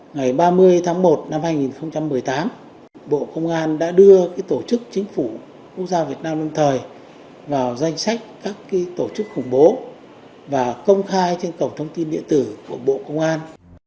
ngày ba mươi tháng một năm hai nghìn một mươi tám bộ công an đã đưa tổ chức chính phủ quốc gia việt nam lâm thời vào danh sách các tổ chức khủng bố và công khai trên cổng thông tin điện tử của bộ công an